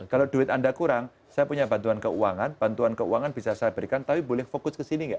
kalau duit anda kurang saya punya bantuan keuangan bantuan keuangan bisa saya berikan tapi boleh fokus ke sini nggak